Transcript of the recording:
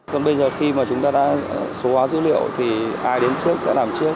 còn bây giờ khi mà chúng ta đã số hóa dữ liệu thì ai đến trước sẽ làm trước